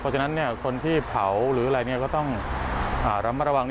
เพราะฉะนั้นคนที่เผาหรืออะไรก็ต้องระมัดระวัง